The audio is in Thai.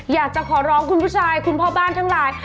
อยากจะขอร้องคุณผู้ชายคุณพ่อบ้านทั้งหลาย